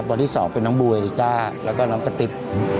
วันที่๒เป็นน้องบูอายาติกาแล้วก็น้องกะติก